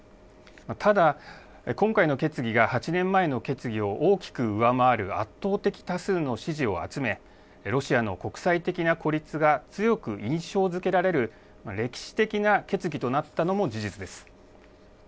ただ、今回の決議が８年前の決議を大きく上回る圧倒的多数の支持を集め、ロシアの国際的な孤立が強く印象づけられる、歴史的な決議となったのも事実です。